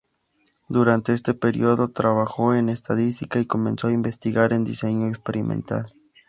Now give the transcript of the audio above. Durante este periodo trabajó en Estadística y comenzó a investigar en diseño experimental.